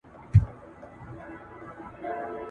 پانګه والو ته د غریبانو پروا نه وي.